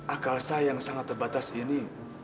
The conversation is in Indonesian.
akal saya yang sangat terbatas ini